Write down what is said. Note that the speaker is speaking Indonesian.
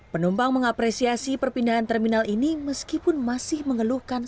penumpang mengapresiasi perpindahan terminal ini meskipun masih mengeluhkan